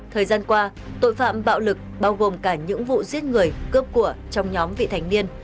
thời gian qua tội phạm bạo lực bao gồm cả những vụ giết người cướp của trong nhóm vị thành niên